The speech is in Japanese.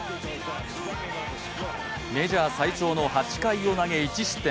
メジャー最長の８回を投げ１失点。